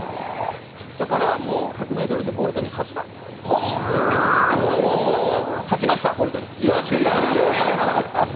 だから１００ｍでボルトに勝ったというくらい、勝ちました、ボルトに。